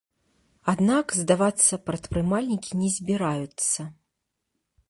Аднак здавацца прадпрымальнікі не збіраюцца.